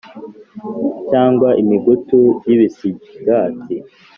Cyangwa imigutu y'ibisigati